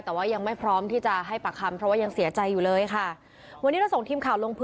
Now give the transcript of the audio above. แต่ยังไม่พร้อมที่จะให้ปากคำ